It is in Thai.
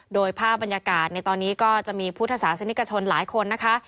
โดยภาพบรรยากาศในตอนนี้ก็จะมีพุทธศาสนิกชนหลายคนนะคะ